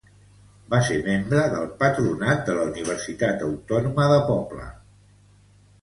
Va ser membre del patronat de la Universitat Autònoma de Pobla.